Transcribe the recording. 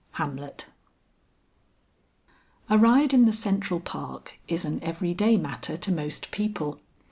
HAMLET. A ride in the Central Park is an every day matter to most people.